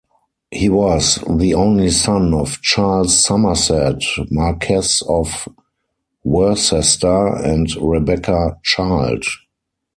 He was the only son of Charles Somerset, Marquess of Worcester, and Rebecca Child.